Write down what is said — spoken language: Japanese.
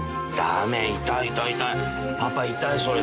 パパ痛いそれ